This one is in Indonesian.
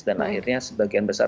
dan akhirnya sebagian besar